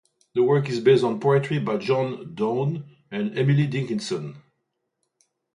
The work is based on poetry by John Donne and Emily Dickinson.